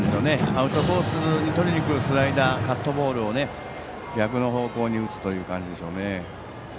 アウトコースにとりにくるスライダー、カットボールを逆の方向に打つという感じでしょうね。